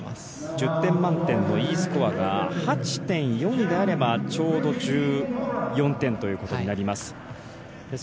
１０点満点のＥスコアが８．４であればちょうど１４点ということになります。